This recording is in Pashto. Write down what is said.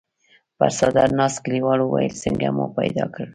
پر څادر ناست کليوال وويل: څنګه مو پيدا کړ؟